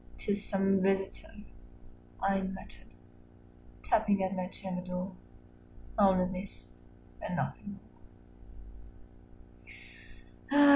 "'Tis some visitor," I muttered, "tapping at my chamber door: 5 Only this and nothing more."